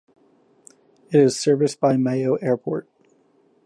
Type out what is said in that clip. It is serviced by Mayo Airport.